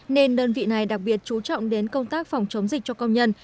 nên đơn vị này đặc biệt chú trọng đến công tác phòng chống dịch cho công nhân